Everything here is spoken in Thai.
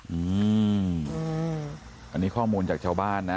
อืมอันนี้ข้อมูลจากชาวบ้านนะ